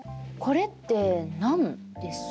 これってナンですか？